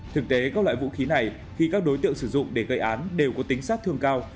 thực tế các loại vũ khí này khi các đối tượng sử dụng để gây án đều có tính sát thương cao